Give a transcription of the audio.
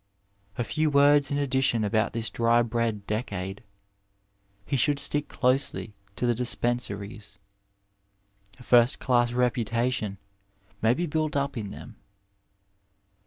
A few words in addition about this dry bread decade. He should stick closely to the dispensaries. A first class reputation may be built up in them.